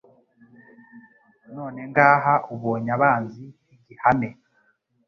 None ngaha ubonye abanzi igihame